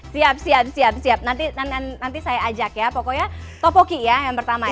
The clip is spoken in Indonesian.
siap siap nanti saya ajak ya pokoknya topoki ya yang pertama ya